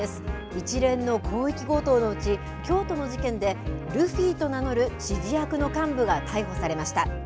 一連の広域強盗のうち京都の事件でルフィと名乗る指示役の幹部が逮捕されました。